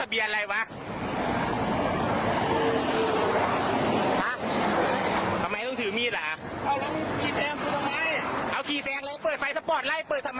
ให้อย่าไม่เปิดไฟสปอร์ตไลท์